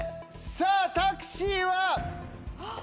さぁタクシーは。